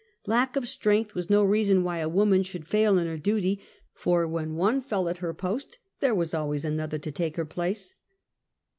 Lack of strength was no reason why a woman should fail in her duty, for when one fell at her post, there was always another to take her place.